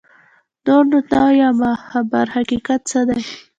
نور نو نه یمه خبر حقیقت څه دی